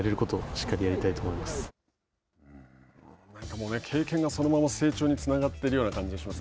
もう経験がそのまま成長につながっているような感じがします。